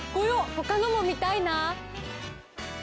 他のも見たいな。